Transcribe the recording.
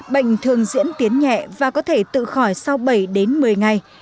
bệnh thường diễn tiến nhẹ và có thể tự khỏi sau bảy đến một mươi ngày